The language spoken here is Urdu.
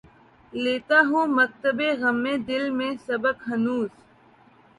لیتا ہوں مکتبِ غمِ دل میں سبق ہنوز